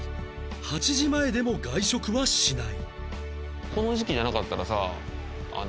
８時前でも外食はしない